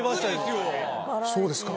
そうですか。